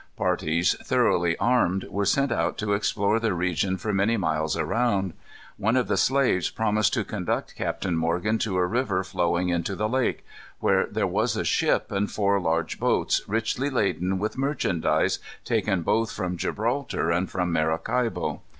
Parties, thoroughly armed, were sent out to explore the region for many miles around. One of the slaves promised to conduct Captain Morgan to a river flowing into the lake, where there was a ship and four large boats richly laden with merchandise, taken both from Gibraltar and from Maracaibo.